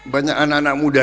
banyak anak anak mudanya